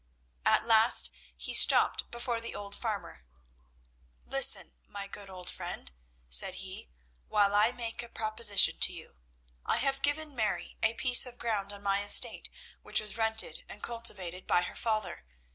At last he stopped before the old farmer. "Listen, my good old friend," said he, "while I make a proposition to you. I have given Mary a piece of ground on my estate, which was rented and cultivated by her father.